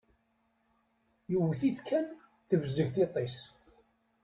Yewwet-it kan tebzeg tiṭ-is.